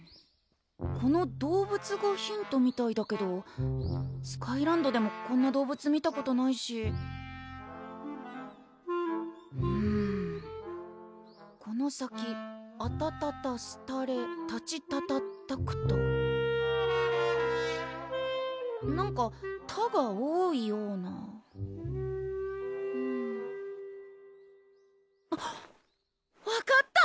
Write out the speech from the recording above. この動物がヒントみたいだけどスカイランドでもこんな動物見たことないしうーん「このさきあたたたすたれたちたたったくた」なんか「た」が多いようなあっ分かった！